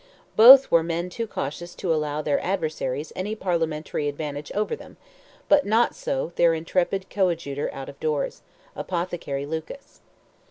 Both were men too cautious to allow their adversaries any parliamentary advantage over them, but not so their intrepid coadjutor out of doors, Apothecary Lucas.